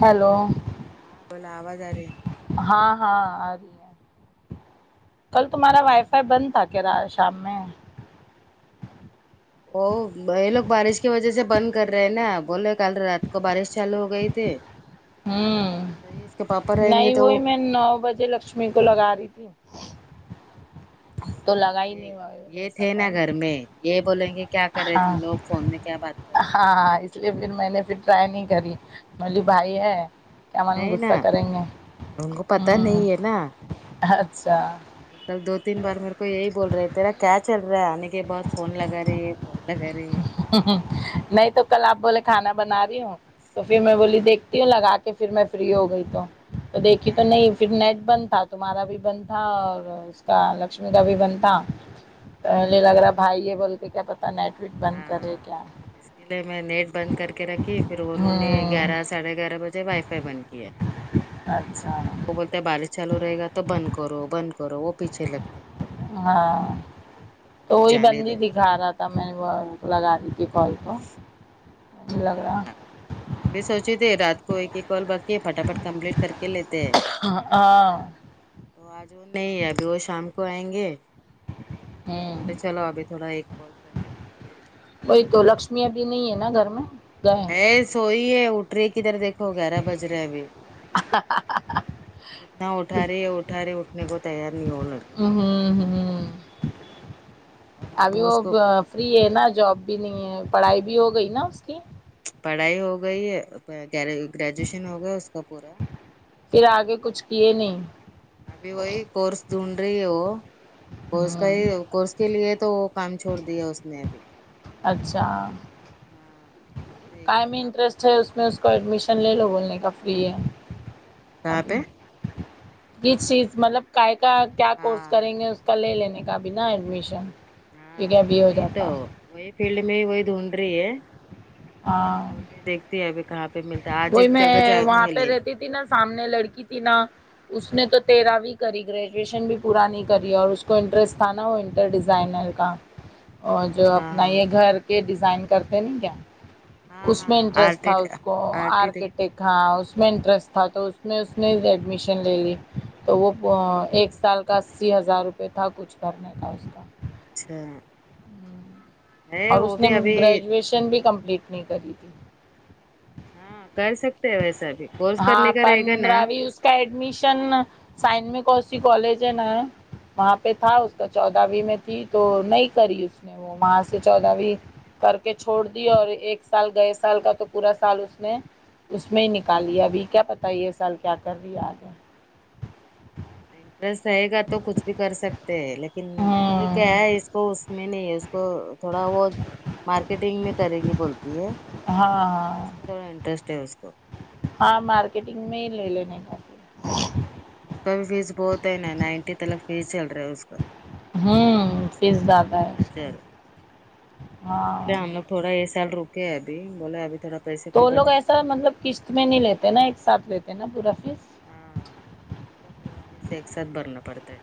Hello ہاں بولو آواز آ رہی ہاں ہاں آ رہی ہے کل تمہارا وائی فائی بند تھا کیا را شام میں او یہ لوگ بارش کی وجہ سے بند کر رہے ہیں نا بولے کل رات کو بارش چالو ہو گئی تھی ہوں تو یہ اس کے پاپا رہیں گے نہیں تو وہی میں نو بجے لکشمی کو لگا رہی تھی تو لگا ہی یہ نہیں یہ ویسا تھے نا کال گھر میں یہ بولیں گے کیا کر رہے ہاں تم لوگ فون میں کیا بات کر رہے ہاں ہاں اس لیے پھر میں نے فر ٹرائی نہیں کری میں بولی بھائی ہے کیا من نہیں غصہ نہ کریں گے ان کو پتہ ہوں نہیں ہے نا اچھا کل دو تین بار میرے کو یہی بول رہے تھے کیا چل رہا ہے آنے کے بعد فون لگا رہی ہے فون لگا رہی ہے ہ ہ نہیں تو کل آپ بولے کھانا بنا رہی ہوں تو فر میں بولی دیکھتی ہوں لگا کے فر میں فری ہو گئی تو تو دیکھی تو ہاں نہیں فر نیٹ بند تھا تمہارا بھی بند تھا اور اس کا لکشمی کا بھی بند تھا پہلے لگ رہا بھائی یہ بول کے کیا پتہ نیٹ وٹ بند کر ے ہاں کیا اس کے لیے میں نیٹ بند کر کے رکھی پھر انہوں نے ہوں گیارہ ساڑھے گیارہ بجے وائی فائی بند کیا [inaudible] وہ بولتے ہیں بارش چالو رہے گا تو بند کرو بند کرو وہ پیچھے لگ ہاں تو بولے وہی جانے بندی دو دکھا رہا تھا میں وہ لگا ری تھی کال کو جی لگ رہا ہاں میں بھی سوچی تھی رات کو ایک ہی کال باقی پٹافٹ کمپلیٹ کر کے لیتے ہیں ہاں تو آج وہ نہیں ہے ابھی وہ شام کو آئیں گے تو میں ہوں بولے چلو ابھی تھوڑا ایک کال کر کے وہی تو لکشمی ابھی نہیں ہے نا گھر میں گئے ہے سوئی ہے اٹھ رہی ہے کدھر دیکھو گیارہ بج رہے ابھی ہا ہا ہا اتنا اٹھارہی ہے اٹھا رہی اٹھنے کو تیار نہیں ہو وہ لڑکی ہوں ہوں ہو ں اب ابھی وہ اس کو ا فری ہے نا جاب بھی نہیں ہے پڑھائی بھی ہو گئی نا اس کی پڑھائی ہو گئی ہے گرے گریجویشن ہو گیا اس کا پورا پھر آگے کچھ کیے نہیں ابھی وہی کورس ڈھونڈ رہی ہے وہ کورس کا ہوں ہی کورس کے لیے تو وہ کام چھوڑ دیا اس نے ابھی اچھا ہاں تو بولتے کاے ایک میں آپ انٹرسٹ ہے اس میں اس کو ایڈمیشن لے لو بولنے کا فری ہے کہاں ابھی پہ کس چیز مطلب کاے کا کیا ہاں کورس کریں گے اس کا لے لینے کا بھی نا ایڈمیشن ٹھیک ہے ہاں ابھی ہو وہی تو جاتا وہی فیلڈ میں ہی وہی ڈھونڈ رہی ہے آں دیکھتے ہے ابھی کہاں پہ ملتا ہے آج ایک جگہ میں جانے وہاں پہ والے ہے رہتی تھی نہ سامنے لڑکی تھی نا اس نے تو تیرہویں کری گریجویشن بھی پورا نہیں کری اور اس کو انٹرسٹ تھا نا پر ڈیزائنر کا اور جو اپنا ہاں یہ گھر کے ڈیزائن کرتے نہیں کیا ہاں اس میں ہاں انٹرسٹ تھا آرٹیٹ اس کو آرٹیٹیک آرکٹ میں ایک ہاں اس میں انٹرسٹ آرکیٹیکٹ، تھا تو اس میں اس نے ایڈمیشن لے لی تو وہ ایک سال کا اسی ہزار روپئے تھا کچھ کرنے کا اس کا اچھا ہے اور وہ اس نے بھی ابھی گریجویشن بھی کمپلیٹ نہیں کری تھی ہاں کر سکتے ہیں ویسا بھی کورس ہاں کرنے کا رہے گا نا پندرہویں اس کا ایڈمیشن سائن میں کوسی کالج ہےینا ہے وہاں پہ تھا اس کا چودہویں میں تھی تو نہیں کری اس نے وہ وہاں سے چودہویں کر کے چھوڑ دیا اور ایک سال گئے سال کا تو پورا سال اس نے اس میں ہی نکال لیا ابھی کیا پتا یہ سال کیا کر رہی ہے آگے انٹرسٹ رہے گا تو کچھ بھی کر سکتے ہیں لیکن یہ کیا ہاں ہے اس کو اس میں نہیں نہیں اس کو تھوڑا بہت مارکیٹنگ میں کرے گی بولتی ہے ہاں اس میں تھوڑا انٹرسٹ ہے اس کو ہاں مارکیٹنگ میں ہی لے لینے کا پھر، اس کا بھی فیس بہت ہے نا نائنٹی تلک فیس چل رہا ہے کا ہوں فیس زیادہ ہے اسکا ہزار تو اس کے ہاں لیے ہم لوگ تھوڑا یہ سال رکے ابھی بولے ابھی تھوڑا پیسے کا تو لوگ بجٹ ایسا مطلب دیکھنے۔ قشط میں نہیں لیتے نا ایک ساتھ لیتے نا پورا فیس ہاں ان کا پورا فیس ایک ساتھ بھرنا پڑتا ہے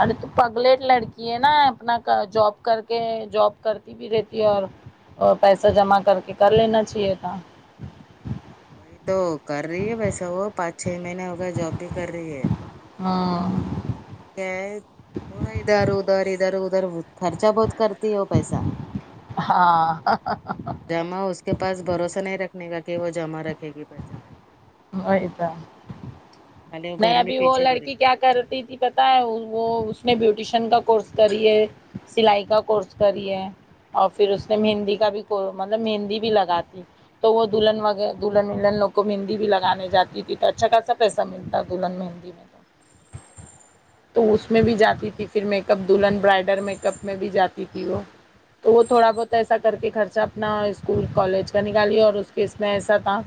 ارے تو پگلیٹ لڑکی ہے نا اپنا ک جاب کر کے جاب کر کے بھی رہتی اور اور پیسہ جمع کر کے کر لینا چاہیے تھا یہ تو کر رہی ہے ویسا وہ پانچ چھ مہینے ہو گئے جاب بھی کر رہی ہے ہاں کیا ہے تھوڑا ادھر ادھر ادھر ادھر ہو خرچہ بہت کرتی ہے وہ پیسہ ہاں جمع اس کے پاس بھروسہ نہیں رکھنے کا کہ وہ جمع رکھے گی پیسہ پیسہ خالی وہ نہیں گھر میں ابھی وہ پیچھے پڑے لڑکی کیا کرتی تھی پتا ہے وہ اس نے بیوٹیشن کا کورس کری ہے سلائی کا کورس کری ہے اور پھر اس نے مہندی کا بھی کو مطلب مہندی بھی لگاتی تو وہ دلہن وغ دلہن ولن لوگ کو مہندی بھی لگانے جاتی تھی تو اچھا خاصا پیسہ ملتا دلہن مہندی میں تو تو اس میں بھی جاتی تھی پھر میک اپ دلہن برائڈر میک اپ میں بھی جاتی تھی وہ تو وہ تھوڑا بہت ایسا کر کے خرچہ اپنا اسکول کالج کا نکالیے اور اس کے اس میں ایسا تھا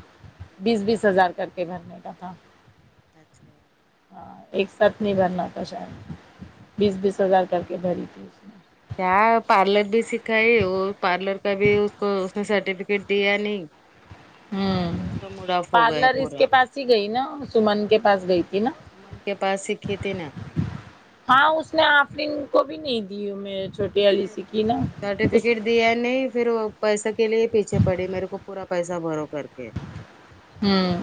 بیس بیس ہزار کر کے بھرنے کا تھا اچھا ہاں ایک ساتھ نہیں بھرنا تھا شاید بیس بیس ہزار کر کے بھری تھی اس نے کیا پارلر بھی سکھائی وہ پارلر کا بھی اس کو اس نے سرٹیفکیٹ دیا نہیں ہوں تو اس کا موڈ آف ہو گیا پارلر اس پورا کے پاس ہی گئی نا سمن کے پاس گئی تھی نا جمن کے پاس سییکھی تھی نا ہاں اس نے آفرین کو بھی نہیں دی میںج چھوٹے والی سکھی نا اس سرٹیفکیٹ دیا نہیں پھر پیسے کے لیے پیچھے پڑی میرے کو پورا پیسہ بھرو کر کے ہوں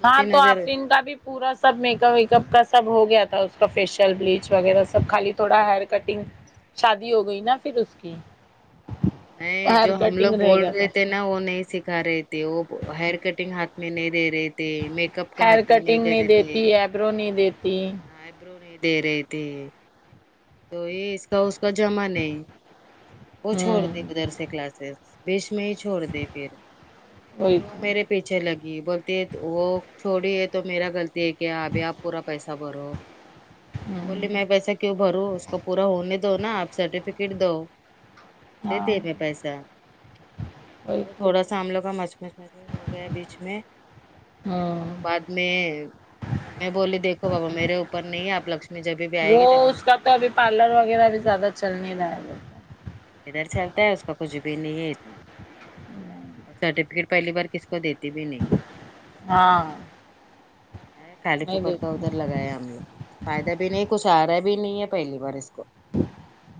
دو ہاں تین تو آپ ہزار ان کا بھی پورا سب میک اپ ویک اپ کا سب ہو گیا تھا اس کا فیشیل بلیچ وغیرہ سب خالی تھوڑا ہیئر کٹنگ شادی ہو گئی نا پھر اس کی نہیں ہیئر جو ہم لوگ کٹنگ رہ بول گیا رہے تھا تھے نا وہ نہیں سکھا رہے تھے وہ ہیئر کٹنگ ہاتھ میں نہیں دے رہے تھے میک اپ کا ہاتھ میں نہیں دے رہے تھے رو نہیں دیتی آئی برو نہیں دے رہی تھی تو یہ اس تو اس کا جمع نہیں وہ چھوڑ ہوں دی ادھر سے کلاسزس بیچ میں ہی چھوڑ دی پھر وہی پھر وہ تو میرے پیچھے لگی بولتی وہ چھوڑی ہے تو میرا غلطی ہے کیا ابھی آپ پورا خبر ہو میں ہوں بولی میں پیسے کی بھرو اس کو پورا ہونے دو نا آپ سرٹیفکیٹ دو ہاں دتے میں پیسہ وہی وہ تھوڑا تو شام لو کا مچ مچ مچمچ ہو گیا بیچ میں پھر ہوں وہ بعد میں میں بولی دیکھو بابا میرے اوپر نہیں آپ لک وہ اس کا تو ابھی پارلر وغیرہ بھی زیادہ چل نہیں رہا ہے ادھر چلتا ہے اس کا کچھ بھی نہیں ہے اتنا اور سرٹیفکیٹ پہلی بار کسی کو دیتی بھی نہیں ہاں ا کالی نہیں پکڑ کا دیتی ادھر لگایا ہم لوگ فائدہ بھی نہیں کچھ آ رہا بھی نہیں ہے پہلی بار اس کو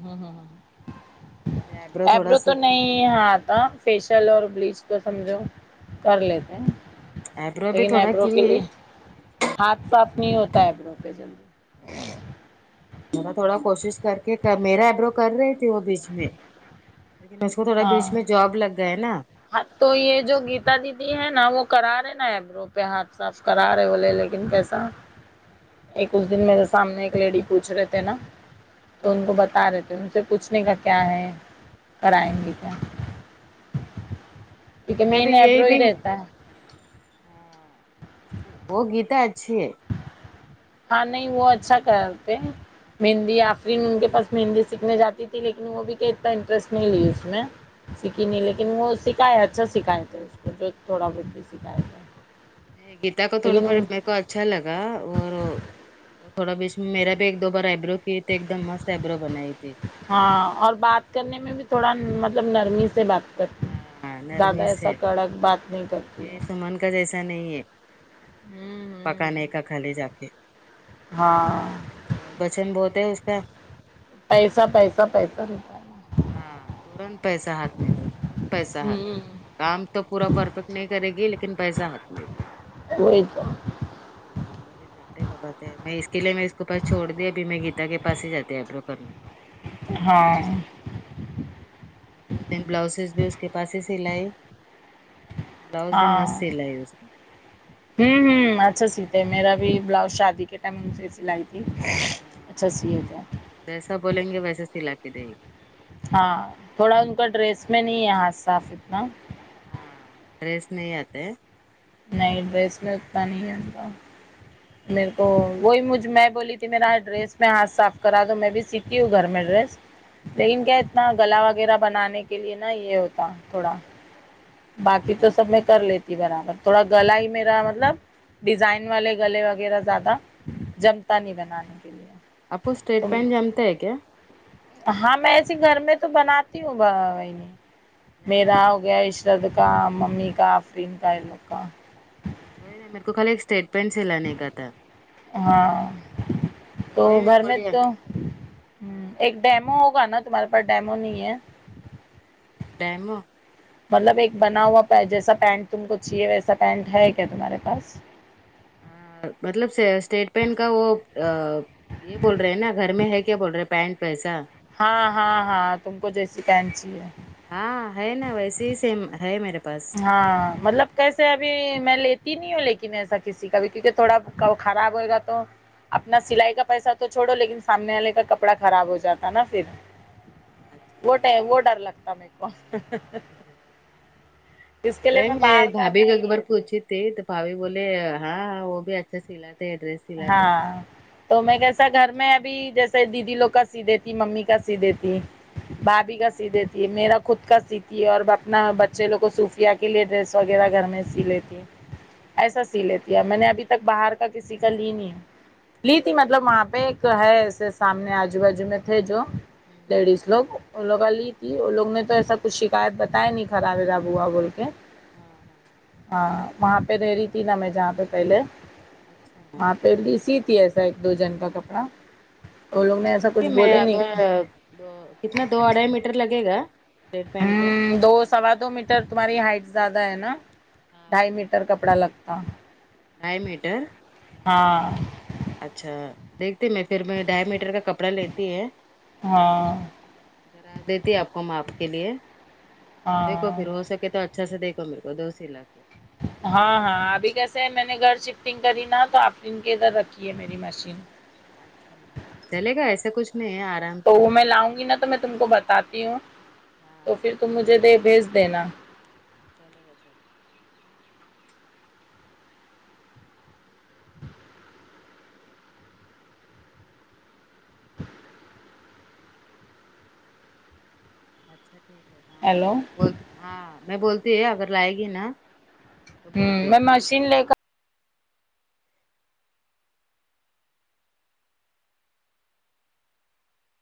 ہوں ہوں خالی آئیبرو تھوڑا ایبرو تو سیکھی تھی نہیں ہاں تھا فیشیل اور بلیچ کو سمجھو کر لیتے ہیں آئیبرو بھی لیکن تھوڑا ایبرو کے لیے کی ہاتھ صاف نہیں ہوتا ایبرو کے جلدی تھوڑا تھوڑا کوشش کر کے میرا ایبرو کر رہی تھی وہ بیچ میں لیکن اس کو تھوڑا ہاں بیچ میں جاب لگ گیا ہے نا ہاں تو یہ جو گیتا دیدی ہے نا وہ کرا رہے نا ایبرو پہ ہاتھ صاف کرا رہے بولے لیکن کیسا ایک اس دن میرے سامنے ایک لیڈی پوچھ رہے تھے نا تو ان کو ہاں بتا رہے تھے ان سے پوچھنے کا کیا ہے کرائیں گے کیا کیونکہ میں بھی مین یہی ایبرو ہی دن رہتا ہے ہاں وہ گیتا اچھی ہے ہاں نہیں وہ اچھا کرتے مہندی ہوں آفرین ان کے پاس مہندی سیکھنے جاتی تھی لیکن وہ بھی کہ اتنا انٹرسٹ نہیں لی اس نے سیکھی نہیں لیک لیکن وہ سکھائے ہے اچھا سکھاتے ہے اس کو جو تھوڑا بہت ہی سکھایے ہے گیتا کو تھوڑا تھوڑا میرے کو اچھا لگا اور وہ تھوڑا بھی اس میں میرا بھی ایک دو بار ایبرو کیے تے ایک دم مست ایبرو بنائی تھی ہاں اور بات کرنے میں بھی تھوڑا مطلب نرمی سے بات کرتی ہاں زیادہ نرمی ایسا سے کڑک بات نہیں کرتی یہ ہے سمن کا جیسا نہیں ہے ہوں ہوں پکانے کا کھا لے جا کے ہاں پچند بہت ہے اس کا پیسہ پیسہ پیسہ رہتا ہے ہاں تورنت پیس ہاتھ میں دو پوران پیسہ ہات ہوں کام تو پورا پرفیکٹ نہیں کرے گی لیکن پیسہ ہاتھ میں وہی تو اور نہیں بابارے میں اس کے لیے میں اس کو پاس چھوڑ دیا اب میں گیتا کے پاس ہی جاتی ہے آئیبرو کرنے کو ہاں تو تین بلاؤزز بھی اس کے پاس ہی سلائے بلاؤز بھی مست ہاں سیلائی اس نے ہوں ہوں اچھا سیتے میرا بھی بلاؤز شادی کے ٹائم ان سے سلائی تھی ج اچھا سیے گیا ویسا بولیں گے ویسا سلا کے دے گی ہاں تھوڑا ان کا ڈریس میں نہیں ہے ہاتھ صاف اتنا ہاں ڈریس نہیں آتے ہیں نئی ڈریس میں اتنا نہیں ہے ان کا میرے کو وہی مجھ میں بولی تھی میرا ڈریس میں ہاتھ صاف کرا دو میں بھی سیتی ہوں گھر میں ڈریس لیکن کیا ہاں اتنا گلا وغیرہ بنانے کے لیے نا یہ ہوتا تھوڑا باقی تو سب میں کر لیتی برابر تھوڑا گلا ہی میرا مطلب ڈیزائن والے گلے وغیرہ زیادہ جمتا نہیں بنانے کے لیے آپ کو اسٹریٹ تو پینٹ جامتا ہے کیا ہاں میں ایسے گھر میں تو بناتی ہوں بھائی نہیں میرا اگر ہو گیا جد کام ممی کا آفرین کا یہ لوگ کا وہی نا میرے کو خالی ایک اسٹیٹ پینٹ سی لانے کا تھا ہاں تو وہی گھر بول میں رہیا تو ہوں ہاں ایک ڈیمو ہوگا نا تمہارے پاس ڈیمو نہیں ہے ڈیمو مطلب ایک بنا ہوا پے جیسا پینٹ تم کو چاہیے ویسا پینٹ ہے کیا تمہارے پاس مطلب س اسٹیٹ بینٹ کا وہ آ یہ بول رہے ہیں نا گھر میں ہے کیا بول رہے پینٹ ویسا ہاں ہاں ہاں تم کو جیسی پینٹ چاہیے ہاں ہے نا ویسے ہی سیم ہے میرے پاس ہاں مطلب کیسے ابھی میں لیتی نہیں ہوں لیکن ایسا کسی کا بھی کیونکہ تھوڑا کا وہ خراب ہوئے گا تو اپنا سلائی کا پیسہ تو چھوڑو لیکن سامنے والے کا کپڑا خراب ہو جاتا نا پھر وہ ٹے وہ ڈر اچھا لگتا میکو وہی میں باہر کا بھابھی کو نہیں ایک بار لیتی پوچھی تھی تو بھابھی بولے ہاں وہ بھی اچھا سلاتے ہیں ڈریس سلاتے ہیں ہاں تو میں کیسا گھر میں ابھی جیسے دیدی لوگ کا سی دیتی ممی کا سی دیتی بھابھی کا سی ہاں دے دیتی ہے میرا خود کا سیتی ہے اور اپنا بچے لوگ کو صوفیہ کے لیے ڈریس وغیرہ گھر میں سی لیتی اچھا ایسا سی لیتی ہے میں نے ابھی تک باہر کا کسی کا لی نہیں لی تھی مطلب وہاں پہ ایک ہے ایسے سامنے آجو بجو میں تھے جو ہمم لڈیز لوگ وہ لگالی جی وہ لوگ نے تو ایسا کچھ شکایت بتایا ہی نہیں خراب ورب ہوا بول کے ہاں ہاں ہاں ہاں وہاں پہ رہ رہی تھی نا میں جہاں پہ پہلے اچھا وہاں پہ بھی سی تھی ایسا ایک دو جن کا کپڑا وہ لوگ نے ایسا کچھ بولے نہیں تو کتنا دو اڑھائی میٹر لگے گا یہ پینٹ کو دو سوا دو میٹر تمہاری ہائٹ زیادہ ہے نا ہاں ڈھائی میٹر کپڑا لگتا ڈھائی میٹر ہاں اچھا دیکھتی میں پھر میں ڈھائی میٹر کا کپڑا لیتی ہے ہاں کررا دیتی آپ کو ماپ کے لیے دیکھو ہاں پھر ہو سکے تو اچھا سے دیکھو میرے کو دو سیلاکے ہاں ہاں ابھی کیسے ہے میں نے گھر شفٹنگ کری نا تو آپ نے ان کے ادھر رکھئیے میری مشین اچھا چلے گا ایسا کچھ نہیں ہے آرام سے کل آؤں گی نہ تو میں تم کو بتاتی ہوں تو پھر ہاں تم مجھے دے بھیج دینا چلو وچا اچھا ٹھیک ہے ہاں ہاں ہیلو ہاں بول ہاں میں بولتی ہے اگر لائے گی نا تو امم بولتی ہے میں مشین لے کر